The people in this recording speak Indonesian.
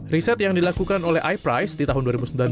riset yang dilakukan oleh iprise di tahun dua ribu sembilan belas